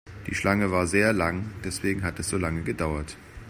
Die Schlange war sehr lang, deswegen hat es so lange gedauert.